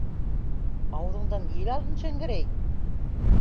Ауыҙыңдан ел алһын, Шәңгәрәй!